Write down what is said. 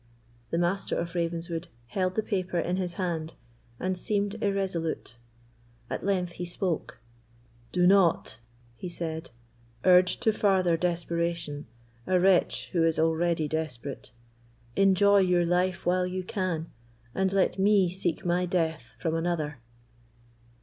The Master of Ravenswood held the paper in his hand, and seemed irresolute. At length he spoke—"Do not," he said, "urge to farther desperation a wretch who is already desperate. Enjoy your life while you can, and let me seek my death from another."